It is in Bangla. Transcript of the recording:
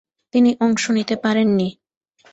তিনি অংশ নিতে পারেননি।